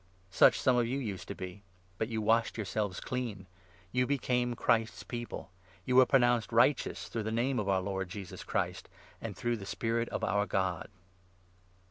Such 1 1 some of you used to be ; but you washed yourselves clean ! you became Christ's People ! you were pronounced righteous through the Name of our Lord Jesus Christ, and through the Spirit of our God